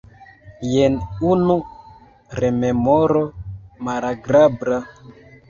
Jen unu rememoro malagrabla.